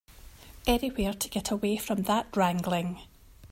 Anywhere to get away from that wrangling.